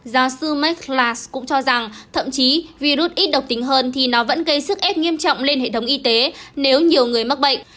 giáo sư marklas cũng cho rằng thậm chí virus ít độc tính hơn thì nó vẫn gây sức ép nghiêm trọng lên hệ thống y tế nếu nhiều người mắc bệnh